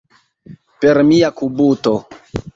Per mia kubuto.